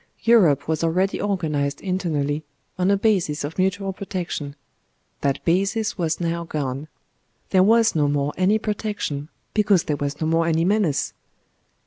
Europe was already organised internally on a basis of mutual protection: that basis was now gone. There was no more any protection, because there was no more any menace.